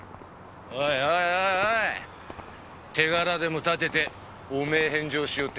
おいおい手柄でも立てて汚名返上しようってかあ！？